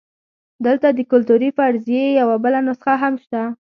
دلته د کلتوري فرضیې یوه بله نسخه هم شته.